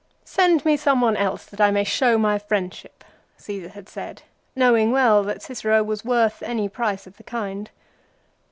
53 me some one else that I may show my friendship," Caesar had said, knowing well that Cicero was worth any price of the kind.